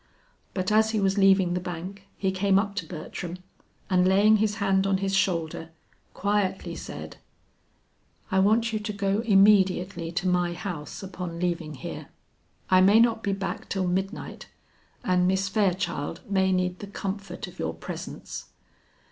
But as he was leaving the bank he came up to Bertram, and laying his hand on his shoulder, quietly said: "I want you to go immediately to my house upon leaving here. I may not be back till midnight, and Miss Fairchild may need the comfort of your presence.